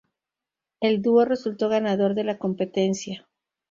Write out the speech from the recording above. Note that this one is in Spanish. El dúo resultó ganador de la competencia.